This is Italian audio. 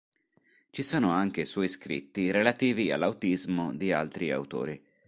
Ci sono anche suoi scritti relativi all'autismo di altri autori.